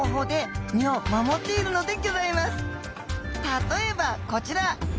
例えばこちら。